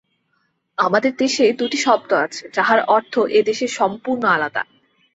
আমাদের দেশে দুটি শব্দ আছে যাহার অর্থ এদেশে সম্পূর্ণ আলাদা।